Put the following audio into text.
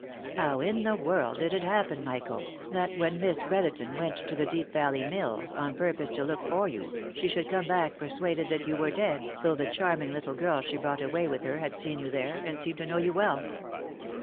How in theworld did it happen, Michael, that when Miss Brotherton went to the Deep Valley Mills, on purpose to look for you, she should come back persuaded that you were dead, though the charming little girl she brought away with her had seen you there, and seemed to know you welf?"